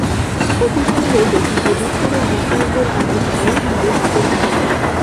অপু শুনিল বেঁটি হবিবপুরের বিশ্বাসদের বাড়ির, ভাইয়ের সঙ্গে বাপের বাড়ি।